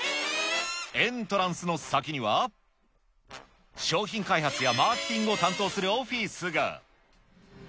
エントランスの先には、商品開発やマーケティングを担当するオフィスが。